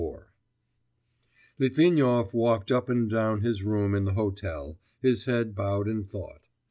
XXIV Litvinov walked up and down his room in the hotel, his head bowed in thought.